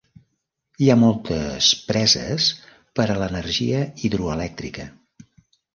Hi ha moltes preses per a l'energia hidroelèctrica.